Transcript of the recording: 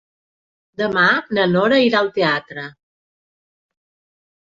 Demà na Nora irà al teatre.